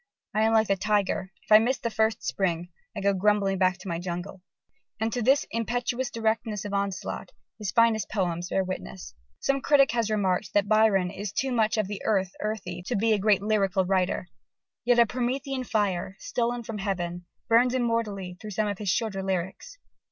I am like the tiger; if I miss the first spring, I go grumbling back to my jungle." And to this impetuous directness of onslaught, his finest poems bear witness. Some critic has remarked that Byron is too much of the earth earthy to be a great lyrical writer: yet a Promethean fire, stolen from heaven, burns immortally through some of his shorter lyrics.